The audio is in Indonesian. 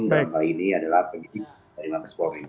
dan kali ini adalah penyidik dari mabes polri